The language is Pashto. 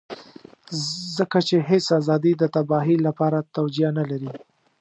ځکه چې هېڅ ازادي د تباهۍ لپاره توجيه نه لري.